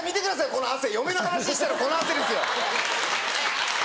この汗嫁の話したらこの汗ですよ。